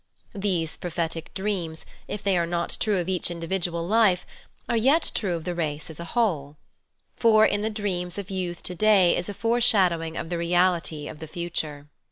These prophetic dreams, if they are not true of each individual life, are yet true of the race as a whole. For in the dreams of youth to day is a foreshadowing of the reality of the future.